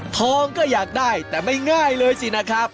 ทองก็อยากได้แต่ไม่ง่ายเลยสินะครับ